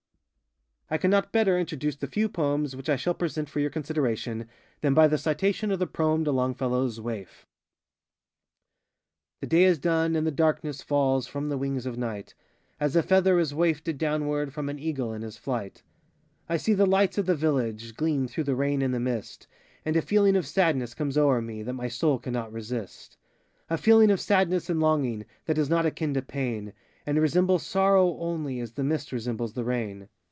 I cannot better introduce the few poems which I shall present for your consideration, than by the citation of the Proem to LongfellowŌĆÖs ŌĆ£WaifŌĆØ:ŌĆö The day is done, and the darkness Falls from the wings of Night, As a feather is wafted downward From an Eagle in his flight. I see the lights of the village Gleam through the rain and the mist, And a feeling of sadness comes oŌĆÖer me, That my soul cannot resist; A feeling of sadness and longing, That is not akin to pain, And resembles sorrow only As the mist resembles the rain.